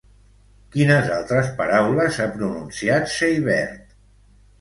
Quines altres paraules ha pronunciat Seibert?